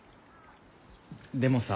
でもさ。